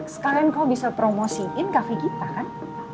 sekalian kau bisa promosiin kafe kita kan